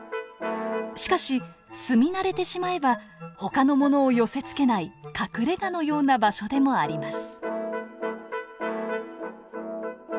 しかし住み慣れてしまえばほかの者を寄せつけない隠れがのような場所でもあります。